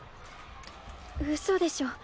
うそでしょ